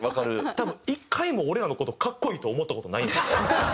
多分１回も俺らの事格好いいと思った事ない。